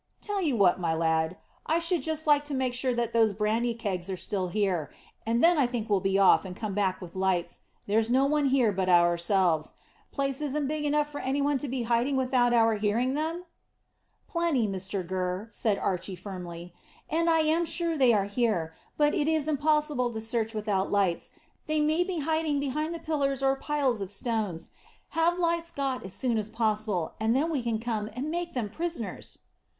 Tell you what, my lad, I should just like to make sure that those brandy kegs are still here, and then I think we'll be off, and come back with lights. There's no one here but ourselves. Place isn't big enough for any one to be hiding without our hearing them?" "Plenty, Mr Gurr," said Archy firmly; "and I am sure they are here; but it is impossible to search without lights. They may be hiding behind the pillars or piles of stone. Have lights got as soon as possible, and then we can come and make them prisoners."